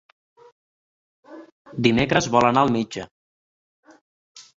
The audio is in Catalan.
Dimecres vol anar al metge.